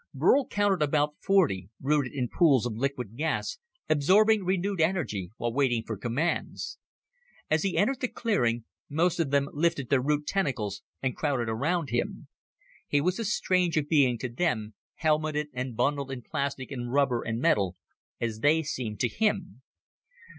Burl counted about forty, rooted in pools of liquid gas, absorbing renewed energy while waiting for commands. As he entered the clearing, most of them lifted their root tentacles and crowded around him. He was as strange a being to them helmeted and bundled in plastic and rubber and metal as they seemed to him.